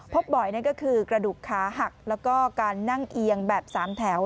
พบบ่อยนั่นก็คือกระดูกขาหักแล้วก็การนั่งเอียงแบบ๓แถว